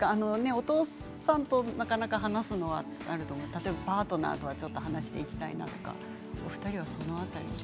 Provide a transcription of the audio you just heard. お父さんとなかなか話すのはあると思いますけれどパートナーと話していきたいとかお二人はその辺り。